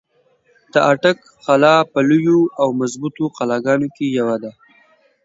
د اټک قلا په لويو او مضبوطو قلاګانو کښې يوه ده۔